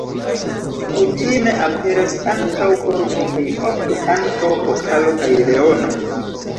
Kutime aperas ankaŭ korvo kaj ofte ankaŭ pokalo kaj leono.